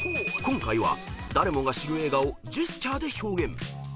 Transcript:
［今回は誰もが知る映画をジェスチャーで表現］